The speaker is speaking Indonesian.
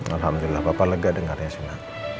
alhamdulillah papa lega denger ya sina